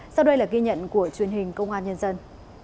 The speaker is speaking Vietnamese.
sau đây là ghi nhận của truyền hình công an nhân dân